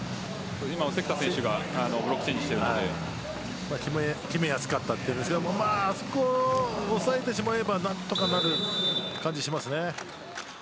今は関田選手がブロックチェンジしているので決めやすかったんですがあそこを抑えてしまえば何とかなる感じがします。